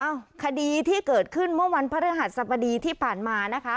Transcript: อ้าวคดีที่เกิดขึ้นเมื่อวันพระเรือหาดสรรพดีที่ผ่านมานะคะ